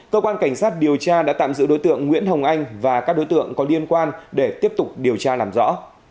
cơ quan cảnh sát điều tra đã tạm giữ đối tượng nguyễn hồng anh và các đối tượng có liên quan để tiếp tục điều tra làm rõ